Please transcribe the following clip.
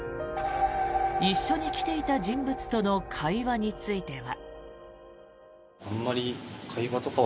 一緒に来ていた人物との会話については。